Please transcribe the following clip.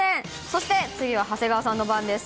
そして、次は長谷川さんの番です。